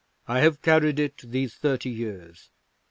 I have carried it these thirty years.